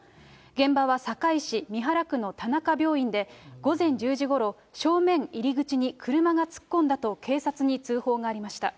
現場は堺市みはら区のたなか病院で、午前１０時ごろ、正面入り口に車が突っ込んだと警察に通報がありました。